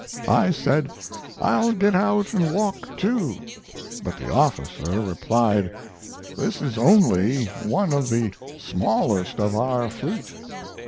I said, 'I'll get out and walk, too'; but the officer replied, 'This is only one of the smallest of our fleet.'